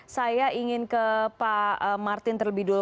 saya ingin ke pak martin terlebih dulu